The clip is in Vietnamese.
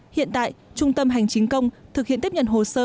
hiện tại trung tâm hành chính công thực hiện tiếp nhận hồ sơ